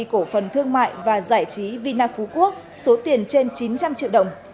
cổ phần thương mại và giải trí vina phú quốc số tiền trên chín trăm linh triệu đồng